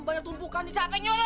banyak tumpukan di sampingnya lu